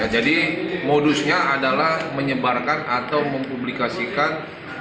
jadi modusnya adalah menyebarkan atau mempublikasikan